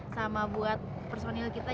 sama buat personil kita